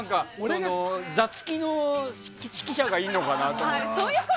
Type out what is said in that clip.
座付きの記者がいるのかなと思って。